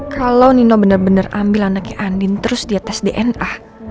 kalau nino benar benar ambil anaknya andin terus dia tes dna